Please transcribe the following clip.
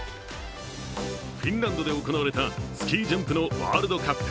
フィンランドで行われたスキージャンプのワールドカップ。